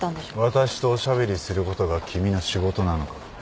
私とおしゃべりすることが君の仕事なのか？